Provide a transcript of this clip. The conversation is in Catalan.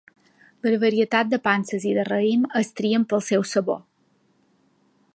Les varietats de panses i de raïm es trien pel seu sabor.